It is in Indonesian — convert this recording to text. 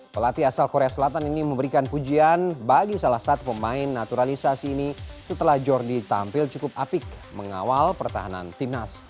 pelatih asal korea selatan ini memberikan pujian bagi salah satu pemain naturalisasi ini setelah jordi tampil cukup apik mengawal pertahanan timnas